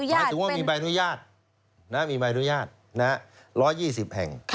หมายถึงว่ามีใบอนุญาตมีใบอนุญาต๑๒๐แห่ง